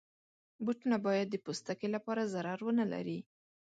بوټونه باید د پوستکي لپاره ضرر ونه لري.